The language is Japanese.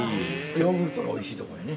◆ヨーグルトがおいしい所やね。